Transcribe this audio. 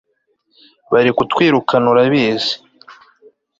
Bari kutwirukana urabizi